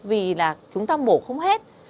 vì là chúng ta mổ không hết